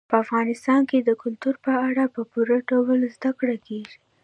په افغانستان کې د کلتور په اړه په پوره ډول زده کړه کېږي.